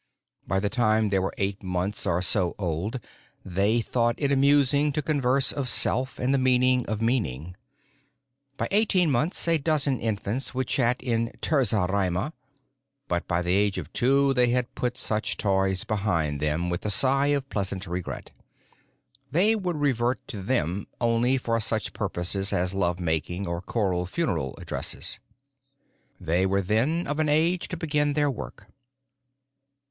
By the time they were eight months or so old they thought it amusing to converse of Self and the Meaning of Meaning. By eighteen months a dozen infants would chat in terza rima. But by the age of two they had put such toys behind them with a sigh of pleasant regret. They would revert to them only for such purposes as love making or choral funeral addresses. They were then of an age to begin their work.